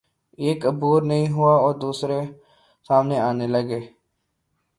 ایک عبور نہیں ہوا اور دوسرے سامنے آنے لگے۔